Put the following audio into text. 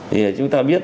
thì là chúng ta biết